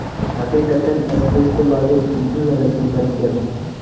ھەقىقەتەن ئەسلەشكە لايىق ئېسىل رەسىملەركەن.